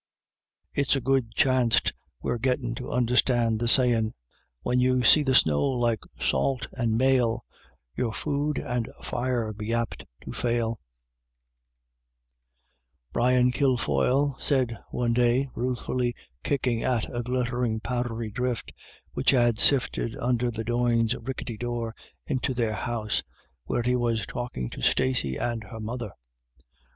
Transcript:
" It's a good chanst we're gettin* to understand the savin* :"' When you see the snow like salt and male, Your food and fire'll be apt to fail,' »» 230 IRISH IDYLLS. Brian Kilfoyle said one day, ruefully kicking at a glittering powdery drift, which had sifted under the Doyne's rickety door into their house, where he was talking to Stacey and her mother.